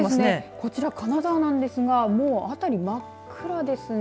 こちら金沢なんですがあたり真っ暗です。